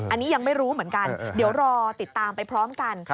อันนี้ยังไม่รู้เหมือนกันเดี๋ยวรอติดตามไปพร้อมกัน